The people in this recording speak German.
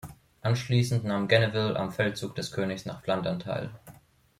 Anschließend nahm Geneville am Feldzug des Königs nach Flandern teil.